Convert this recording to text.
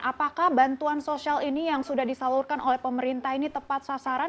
apakah bantuan sosial ini yang sudah disalurkan oleh pemerintah ini tepat sasaran